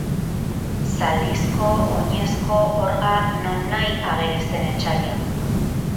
Zaldizko, oinezko, orga... nonahi ageri zen etsaia.